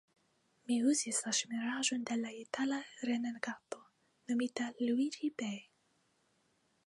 Mi uzis la ŝmiraĵon de Itala renegato, nomita Luiĝi-Bej'.